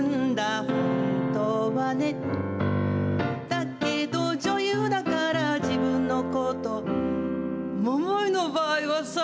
「だけど女優だからじぶんのこと」「桃井の場合はさ」